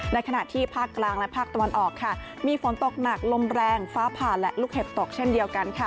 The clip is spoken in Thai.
ในขณะที่ภาคกลางและภาคตะวันออกค่ะมีฝนตกหนักลมแรงฟ้าผ่าและลูกเห็บตกเช่นเดียวกันค่ะ